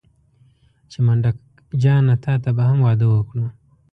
چې منډک جانه تاته به هم واده وکړو.